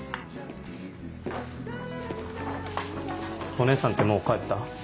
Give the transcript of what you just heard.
お姉さんってもう帰った？